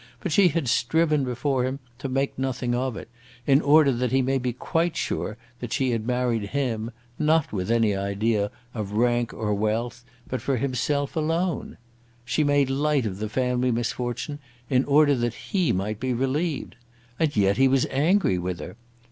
But she had striven before him to make nothing of it, in order that he might be quite sure that she had married him not with any idea of rank or wealth, but for himself alone. She had made light of the family misfortune, in order that he might be relieved. And yet he was angry with her!